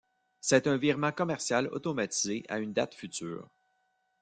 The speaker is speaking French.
C'est un virement commercial automatisé à une date future.